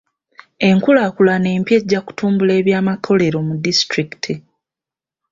Enkulaakulana empya ejja kutumbula eby'amakolero mu disitulikiti.